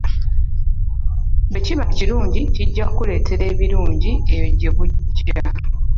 Bwe kiba ekilungi kijja kukuleetera ebilungi eyo gye bujja.